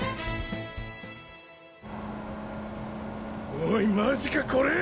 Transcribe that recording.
おいマジかコレ！？